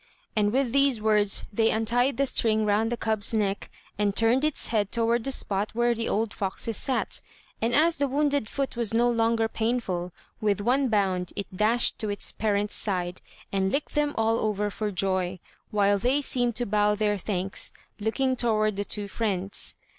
And with these words they untied the string round the cub's neck, and turned its head toward the spot where the old foxes sat; and as the wounded foot was no longer painful, with one bound it dashed to its parents' side and licked them all over for joy, while they seemed to bow their thanks, looking toward the two friends.